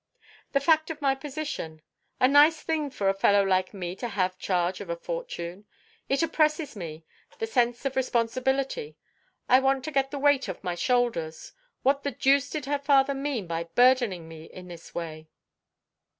"The fact of my position. A nice thing for a fellow like me to have charge of a fortune! It oppresses me the sense of responsibility; I want to get the weight off my shoulders. What the deuce did her father mean by burdening me in this way?"